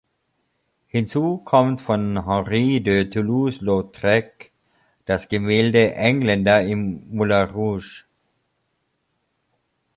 Hinzu kommt von Henri de Toulouse-Lautrec das Gemälde "Engländer im Moulin-Rouge".